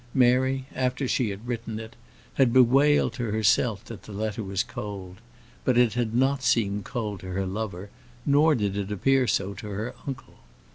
Mary, after she had written it, had bewailed to herself that the letter was cold; but it had not seemed cold to her lover, nor did it appear so to her uncle.